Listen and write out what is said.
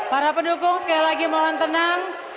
para pendukung sekali lagi mohon tenang